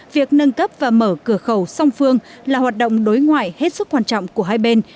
việc nâng cấp và mở cửa khẩu song phương là hoạt động đối ngoại hết sức quan trọng của hai bên